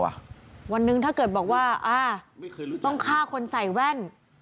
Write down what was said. วันหนึ่งถ้าเกิดบอกว่าอ่าต้องฆ่าคนใส่แว่น